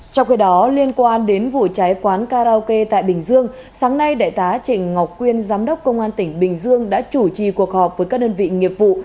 trong khi đó liên quan đến vụ cháy quán karaoke tại bình dương sáng nay đại tá trịnh ngọc quyên giám đốc công an tỉnh bình dương đã chủ trì cuộc họp với các đơn vị nghiệp vụ